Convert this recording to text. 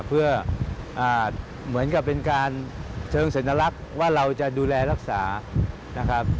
เพื่อเหมือนกับเป็นการเชิงสัญลักษณ์ว่าเราจะดูแลรักษานะครับ